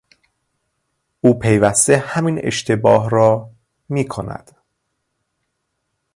او پیوسته همین اشتباه را میکند.